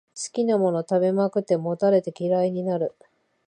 好きなものを食べまくって、もたれて嫌いになる